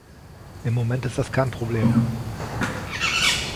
Im Moment ist das kein Problem.